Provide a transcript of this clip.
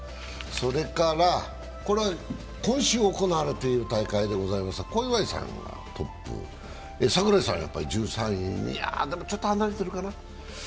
それからこれは今週行われている大会でございますが小祝さんがトップ、櫻井さん、１３位に、でもちょっと離れているかな。